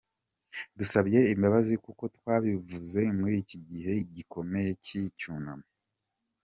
Dusabye imbabazi kuko twabivuze muri iki gihe gikomeye cy’icyunamo.”